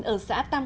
ở xã tâm